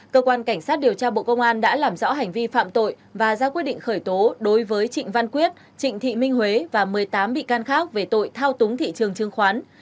cơ quan cảnh sát điều tra bộ công an đã làm rõ hành vi phạm tội và ra quyết định khởi tố đối với trịnh văn quyết trịnh thị minh huế và một mươi tám bị can khác về tội thao túng thị trường chứng khoán